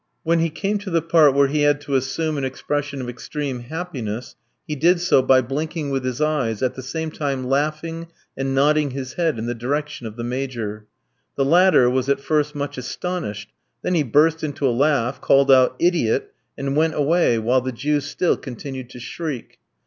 When he came to the part where he had to assume an expression of extreme happiness, he did so by blinking with his eyes, at the same time laughing and nodding his head in the direction of the Major. The latter was at first much astonished; then he burst into a laugh, called out, "Idiot!" and went away, while the Jew still continued to shriek.